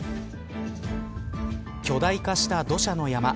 巨大化した土砂の山。